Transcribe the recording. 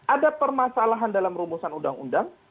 ada permasalahan dalam rumusan undang undang